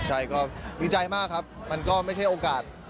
ใช่ก็ดีใจมากครับมันก็ไม่ใช่โอกาส